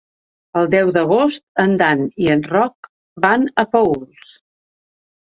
El deu d'agost en Dan i en Roc van a Paüls.